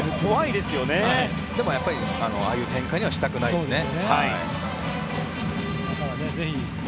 でも、ああいう展開にはしたくないですよね。